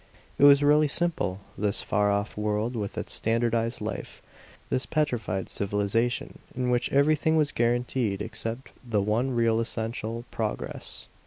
It was really simple, this far off world with its standardized life, this petrified civilization in which everything was guaranteed except the one real essential progress.